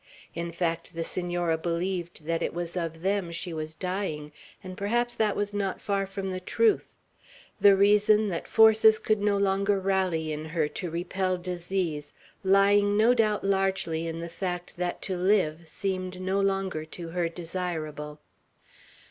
In fact, the Senora believed that it was of them she was dying, and perhaps that was not far from the truth; the reason that forces could no longer rally in her to repel disease, lying no doubt largely in the fact that to live seemed no longer to her desirable.